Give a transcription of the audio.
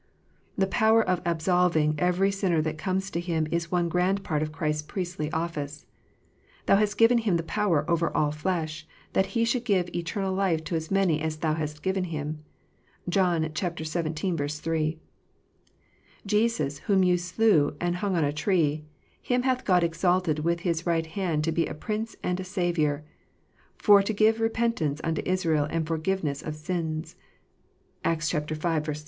The power of absolving every sinner that comes to Him is one grand part of Christ s priestly office. " Thou hast given him power over all flesh, that He should give eternal life to as many as Thou hast given Him." (John xvii. 3.) "Jesus whom ye slew and hanged on a tree, Him hath God exalted with His right hand to be a Prince and a Saviour, for to give repentance unto Israel, and forgiveness of sins." (Acts v. 31.)